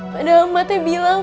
padahal emaknya bilang